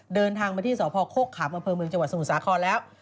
เดินทางมาที่สพโฆขาบมจสมุทรสาครแล้ว